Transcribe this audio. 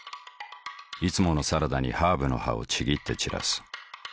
いつものサラダにハーブの葉をちぎって散らす。